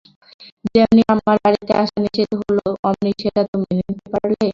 যেমনি আমার বাড়িতে আসা নিষেধ হল অমনি সেটা তো মেনে নিতে পারলে!